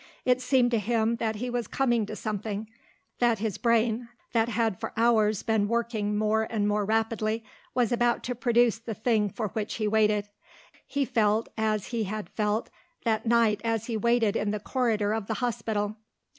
It seemed to him that he was coming to something; that his brain that had for hours been working more and more rapidly was about to produce the thing for which he waited. He felt as he had felt that night as he waited in the corridor of the hospital.